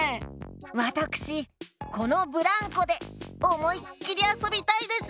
わたくしこのブランコでおもいっきりあそびたいです。